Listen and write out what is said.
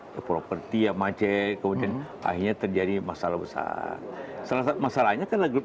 ke properti yang macet kemudian akhirnya terjadi masalah besar salah satu masalahnya kan lagu